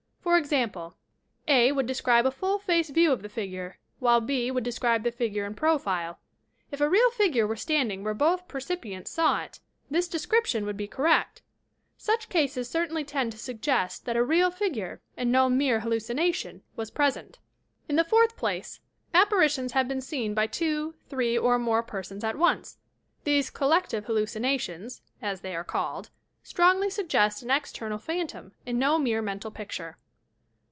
For example: A. would describe a full face view of the figure, while B. would describe the figure in profile. If a real figure were standing where both percipients saw it, this description would be correct. Such cases certainly tend to suggest that a real figure, and no mere hallucination, was pres ent. In the fourth place, apparitions have been seen by two, three or more persons at once. These "collective hallucinations," as they are called, strongly suggest an external phantom and no mere mental picture.